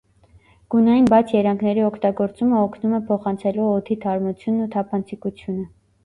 Գունային բաց երանգների օգտագործումը օգնում է փոխանցելու օդի թարմությունն ու թափանցիկությունը։